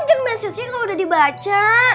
mungkin mesejnya gak udah dibaca